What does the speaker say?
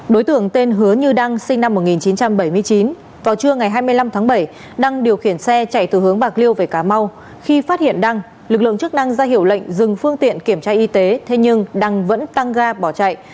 đối tượng tên hứa như đăng sinh năm một nghìn chín trăm bảy mươi chín vào trưa ngày hai mươi năm tháng bảy đăng điều khiển xe chạy từ hướng bạc liêu về cà mau khi phát hiện đăng lực lượng chức năng ra hiệu lệnh dừng phương tiện kiểm tra y tế thế nhưng đăng vẫn tăng ga bỏ chạy